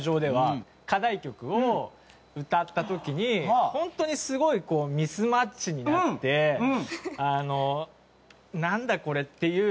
課題曲を歌った時に本当にすごいこうミスマッチになって「なんだ？これ」っていう。